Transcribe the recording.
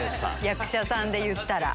役者さんでいったら。